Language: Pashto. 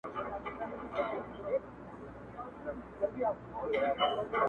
یو سړي ؤ په یو وخت کي سپی ساتلی,